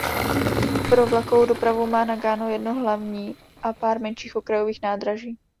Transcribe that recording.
Pro vlakovou dopravu má Nagano jedno hlavní a pár menších okrajových nádraží.